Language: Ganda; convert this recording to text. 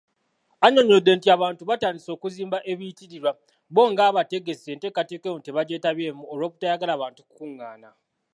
Annyonnyodde nti abantu baatandise okuzimba ebiyitirirwa, bbo ng'abategesi enteekateeka eno tebagyetabyemu olw'obutayagala bantu kukungaana.